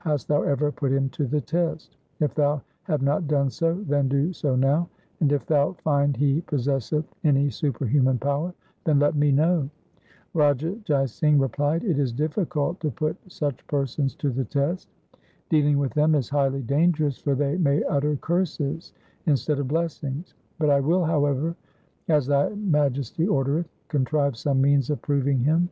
Hast thou ever put him to the test ? If thou have not done so, then do so now, and if thou find he possesseth any superhuman power, then let me know.' Raja Jai Singh replied, ' It is difficult to put such persons to the test. Dealing with them is highly dangerous for they may utter curses instead of blessings, but I will, however, as thy Majesty ordereth, contrive some means of proving him.'